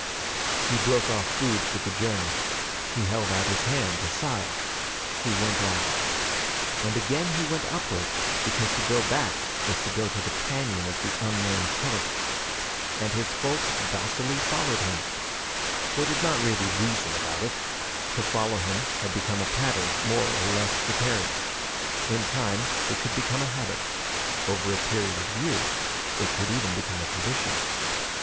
He broke off food for the journey. He held out his hand to Saya. He went on. And again he went upward because to go back was to go to the cañon of the unknown killer. And his folk docilely followed him. They did not really reason about it. To follow him had become a pattern, more or less precarious. In time it could become a habit. Over a period of years it could even become a tradition.